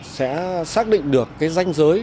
sẽ xác định được danh giới